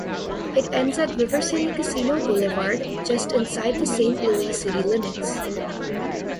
It ends at River City Casino Boulevard, just inside the Saint Louis city limits.